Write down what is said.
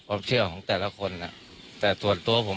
ความเชื่อของแต่ละคน